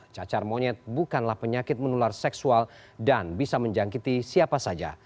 cacar monyet bukanlah penyakit menular seksual dan bisa menjangkiti siapa saja